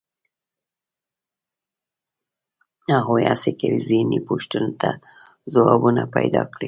هغوی هڅه کوي ذهني پوښتنو ته ځوابونه پیدا کړي.